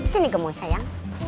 sini kemu sayang